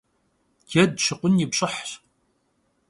Ced şıkhun yi pş'ıhş.